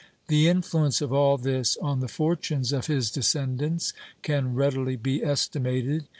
The influence of all this on the fortunes of his descendants can readily be estimated.